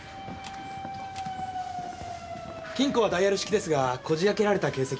金庫はダイヤル式ですがこじ開けられた形跡はありません。